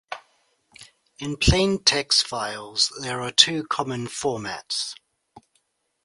In plaintext files, there are two common formats.